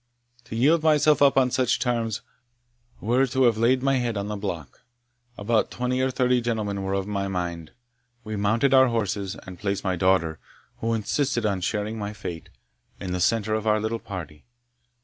To yield myself up on such terms, were to have laid my head on the block. About twenty or thirty gentlemen were of my mind: we mounted our horses, and placed my daughter, who insisted on sharing my fate, in the centre of our little party.